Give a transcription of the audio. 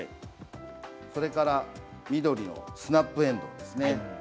それから緑のスナップえんどうですね。